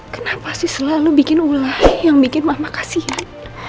kenapa selalu bikin ulah yang bikin mama kasian